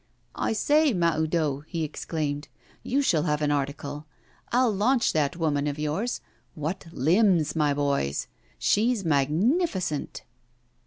'I say, Mahoudeau,' he now exclaimed, 'you shall have an article; I'll launch that woman of yours. What limbs, my boys! She's magnificent!